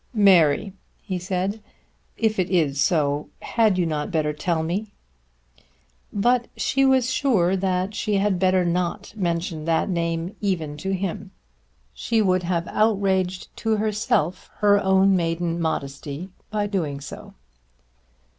"Mary," he said, "if it is so, had you not better tell me?" But she was sure that she had better not mention that name even to him. It was impossible that she should mention it. She would have outraged to herself her own maiden modesty by doing so.